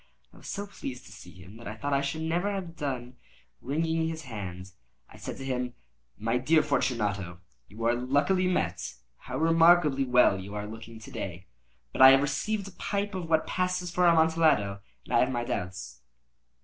I was so pleased to see him, that I thought I should never have done wringing his hand. I said to him: "My dear Fortunato, you are luckily met. How remarkably well you are looking to day! But I have received a pipe of what passes for Amontillado, and I have my doubts."